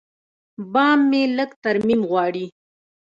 بام مې لږ ترمیم غواړي.